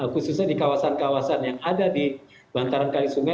khususnya di kawasan kawasan yang ada di bantaran kali sungai